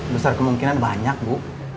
besar kemungkinan banyak bu